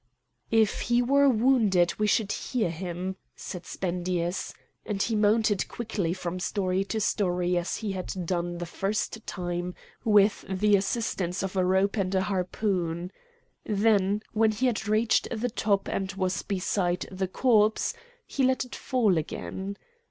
"If he were wounded we should hear him!" said Spendius; and he mounted quickly from story to story as he had done the first time, with the assistance of a rope and a harpoon. Then when he had reached the top and was beside the corpse, he let it fall again.